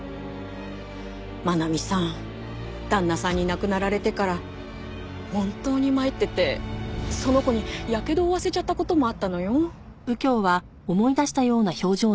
茉奈美さん旦那さんに亡くなられてから本当に参っててその子にやけどを負わせちゃった事もあったのよ。